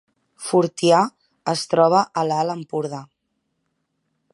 Fortià es troba a l’Alt Empordà